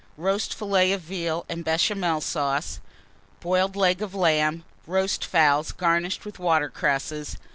Roast Fillet of Veal and Béchamel Sauce. Boiled Leg of Lamb. Roast Fowls, garnished with Water cresses.